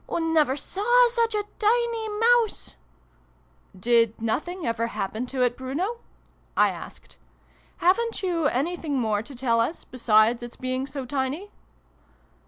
Oo never saw such a tiny Mouse " Did nothing ever happen to it, Bruno ?" I asked. " Haven't you anything more to tell us, besides its being so tiny